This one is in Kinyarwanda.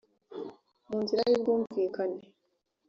mu nzira y ubwumvikane